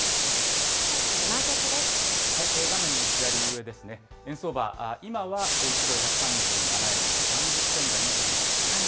画面の左上ですね、円相場、今は１ドル１３７円の３０銭台の取り引き。